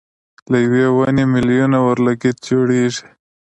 له یوې ونې مېلیونه اورلګیت جوړېږي.